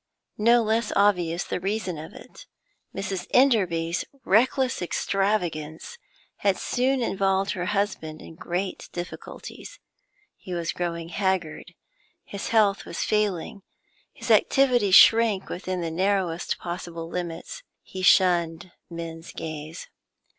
No less obvious the reason of it. Mrs. Enderby's reckless extravagance had soon involved her husband in great difficulties. He was growing haggard; his health was failing; his activity shrank within the narrowest possible limits; he shunned men's gaze.